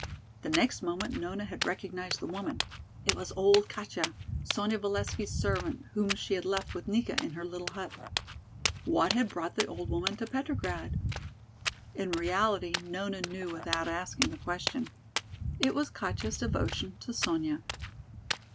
The next moment Nona had recognized the woman. It was old Katja, Sonya Valesky's servant, whom she had left with Nika in her little hut. What had brought the old woman to Petrograd? In reality Nona knew without asking the question. It was Katja's devotion to Sonya.